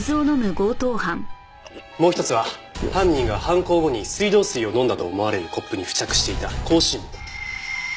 もう１つは犯人が犯行後に水道水を飲んだと思われるコップに付着していた口唇紋。